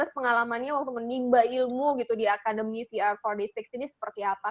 dua ribu delapan belas pengalamannya waktu menimba ilmu gitu di academy vr empat d enam ini seperti apa